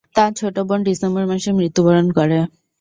তার ছোট বোন ডিসেম্বর মাসে মৃত্যুবরণ করে।